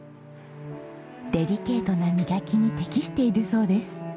デリケートな磨きに適しているそうです。